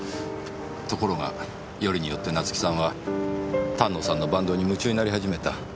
ところがよりによって夏生さんは丹野さんのバンドに夢中になり始めた。